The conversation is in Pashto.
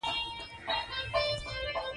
د مختلفو بحرونو تجربې ریاضت غواړي.